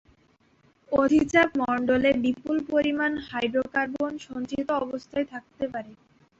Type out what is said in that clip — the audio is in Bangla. অধিচাপ মন্ডলে বিপুল পরিমাণ হাইড্রোকার্বন সঞ্চিত অবস্থায় থাকতে পারে।